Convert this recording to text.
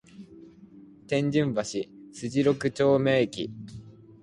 天津橋筋六丁目駅